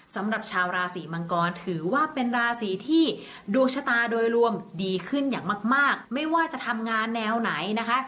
สำหรับชาวราศีมังกรถือว่าเป็นราศีที่ดวงชะตาโดยรวมดีขึ้นอย่างมากไม่ว่าจะทำงานแนวไหนนะคะ